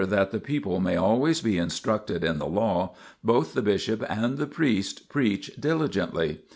*" 60 THE PILGRIMAGE OF ETHERIA people may always be instructed in the law, both the bishop and the priest preach diligently.